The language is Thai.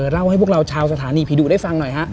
เล่าให้พวกเราชาวสถานีผีดุได้ฟังหน่อยฮะ